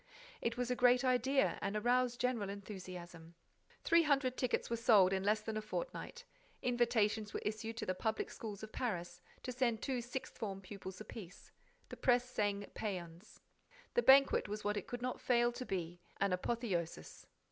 It was a great idea and aroused general enthusiasm. Three hundred tickets were sold in less than a fortnight. Invitations were issued to the public schools of Paris, to send two sixth form pupils apiece. The press sang pæans. The banquet was what it could not fail to be, an apotheosis.